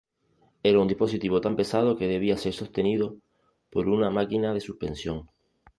Era un dispositivo tan pesado que debía ser sostenido por una máquina de suspensión.